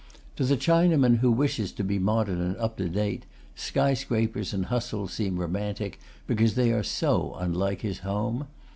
To the Chinaman who wishes to be modern and up to date, skyscrapers and hustle seem romantic, because they are so unlike his home.